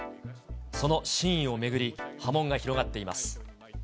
その真意を巡り、波紋が広がっています。